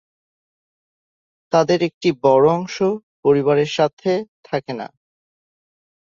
তাদের একটা বড় অংশ পরিবারের সাথে থাকে না।